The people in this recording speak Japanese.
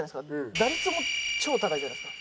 打率も超高いじゃないですか。